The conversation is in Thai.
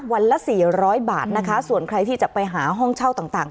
วันละ๔๐๐บาทนะคะส่วนใครที่จะไปหาห้องเช่าต่าง